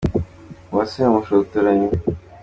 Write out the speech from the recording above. Uwase ni umushotoranyi.